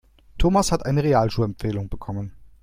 Thomas hat eine Realschulempfehlung bekommen.